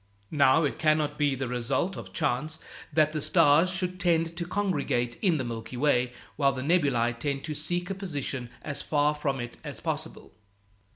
Now, it cannot be the result of chance that the stars should tend to congregate in the Milky Way, while the nebulæ tend to seek a position as far from it as possible.